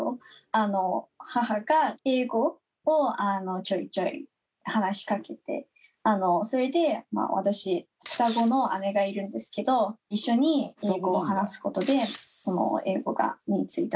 母が英語をちょいちょい話しかけてそれで私双子の姉がいるんですけど一緒に英語を話す事で英語が身についたと思います。